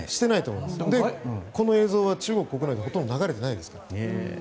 この映像は中国国内ではほとんど流れてないですから。